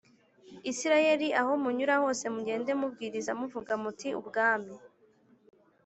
Isirayeli Aho munyura hose mugende mubwiriza muvuga muti ubwami